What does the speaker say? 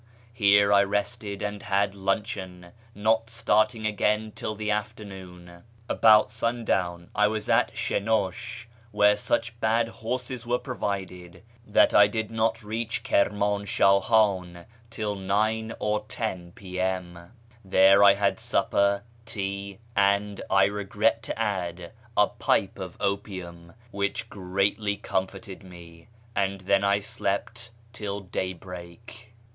Here I rested and liad luncheon, not starting again till the afternoon. About sundown I was at Shenish, where such bad horses were ]ir()vided that I did not reach Kirnu'in Shahan till 9 or 10 I'.iM. There I had supper, tea, and — I regret to add — a pipe of opium, which greatly comforted me ; and then I slept till daybreak.